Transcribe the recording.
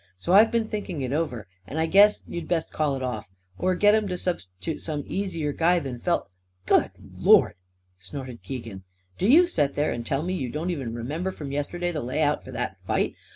So I've been thinking it over, and I guess you'd best call it off; or get 'em to subst'toot some easier guy than Felt " "Good Lord!" snorted Keegan. "Do you set there and tell me you don't even remember from yesterday the layout for that fight?